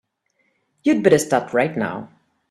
You'd better start right now.